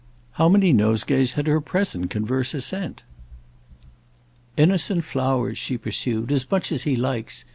How many nosegays had her present converser sent? "Innocent flowers," she pursued, "as much as he likes.